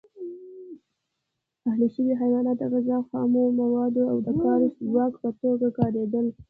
اهلي شوي حیوانات د غذا، خامو موادو او د کار ځواک په توګه کارېدل.